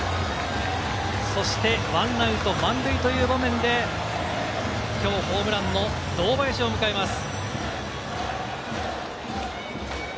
そして１アウト満塁という場面できょうホームランの堂林を迎えます。